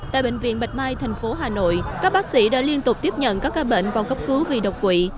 tại bệnh viện bạch mai thành phố hà nội các bác sĩ đã liên tục tiếp nhận các cái bệnh vào cấp cứu vì đột quỵ